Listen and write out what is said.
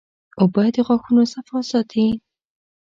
اوبه د غاښونو صفا ساتي